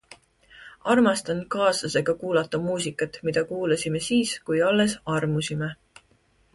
Armastan kaaslasega kuulata muusikat, mida kuulasime siis, kui alles armusime.